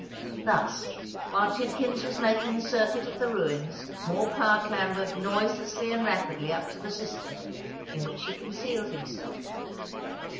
Thus, while Tidkins was making the circuit of the ruins, Morcar clambered noiselessly and rapidly up to the cistern, in which he concealed himself.